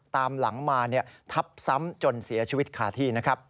ตามหลังมาทับสั้นจนเสียชีวิตขาทิ